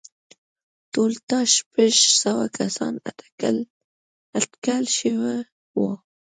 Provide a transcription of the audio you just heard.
ټولټال شپږ سوه کسان اټکل شوي وو